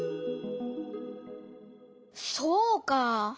そうかあ！